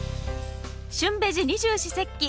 「旬ベジ二十四節気」